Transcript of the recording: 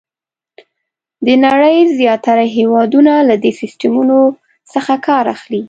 د نړۍ زیاتره هېوادونه له دې سیسټمونو څخه کار اخلي.